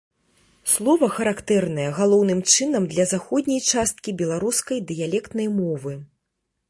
Слова характэрнае галоўным чынам для заходняй часткі беларускай дыялектнай мовы.